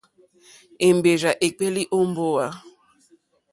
Èmbèrzà èkpéélì ó mbówà.